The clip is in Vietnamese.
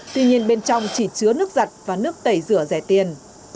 tuy nhiên bên trong chỉ chứa nước giặt và nước tẩy rửa rẻ tiền